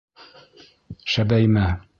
Шәбәймә.